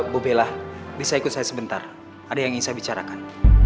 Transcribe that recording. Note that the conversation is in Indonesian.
bu bella bisa ikut saya sebentar ada yang ingin saya bicarakan